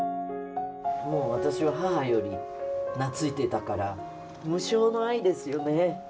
もう私は母より懐いてたから無償の愛ですよね。